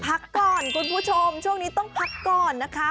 พักก่อนคุณผู้ชมช่วงนี้ต้องพักก่อนนะคะ